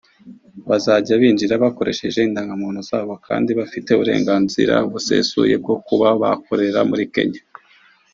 bazajya binjira bakoresheje indangamuntu zabo kandi bafite uburenganzira busesuye bwo kuba bakorera muri Kenya